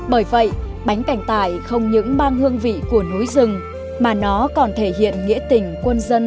bởi vậy bánh bẻng tải không những mang hương vị của núi rừng mà nó còn thể hiện nghĩa tình quân dân sống sống sống